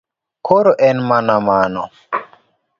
Koro en mana mano.